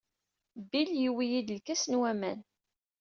Bill yuwey-iyi-d lkas n waman.